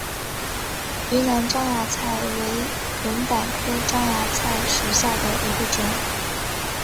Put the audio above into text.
云南獐牙菜为龙胆科獐牙菜属下的一个种。